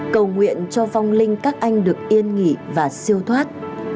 cầu nguyện cho vong linh các anh được yên nghỉ và siêu thoát